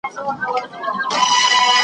نوش جان دي سه زما غوښي نوشوه یې .